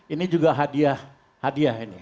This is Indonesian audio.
ini juga hadiah hadiah ini